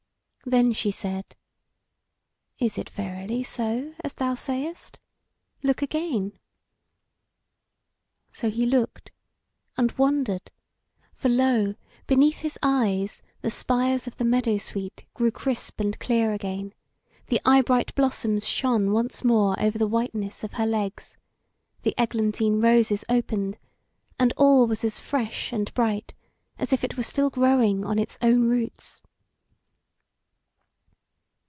Then she said: "Is it verily so as thou sayest? Look again!" So he looked, and wondered; for lo! beneath his eyes the spires of the meadow sweet grew crisp and clear again, the eyebright blossoms shone once more over the whiteness of her legs; the eglantine roses opened, and all was as fresh and bright as if it were still growing on its own roots.